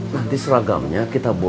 nanti seragamnya kita bohong